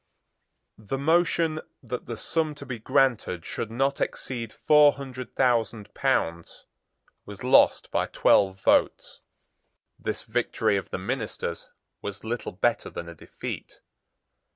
The motion that the sum to be granted should not exceed four hundred thousand pounds, was lost by twelve votes. This victory of the ministers was little better than a defeat.